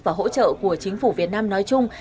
và hỗ trợ của chính phủ việt nam nói chung